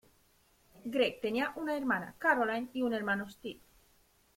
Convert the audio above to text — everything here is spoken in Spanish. Gregg tenía una hermana, Caroline, y un hermano, Steve.